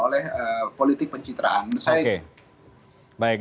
oleh politik pencitraan